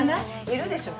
いるでしょ？